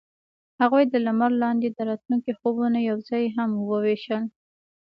هغوی د لمر لاندې د راتلونکي خوبونه یوځای هم وویشل.